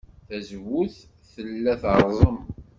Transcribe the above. Tazewwut tella terẓem.